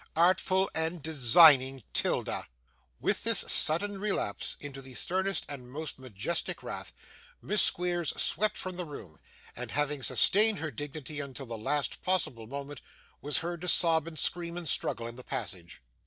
he! Artful and designing 'Tilda!' With this sudden relapse into the sternest and most majestic wrath, Miss Squeers swept from the room; and having sustained her dignity until the last possible moment, was heard to sob and scream and struggle in the passage.